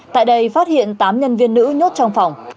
tại đây phát hiện tám nhân viên nữ nhốt trong phòng